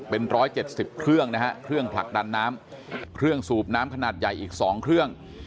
เป็น๑๗๐เครื่องนะฮะเครื่องผลักดันน้ำเครื่องสูบน้ำขนาดใหญ่อีก๒เครื่อง